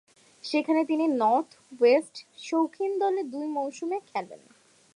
সেখানে তিনি north west শৌখিন দলে দুই মৌসুম খেলেন।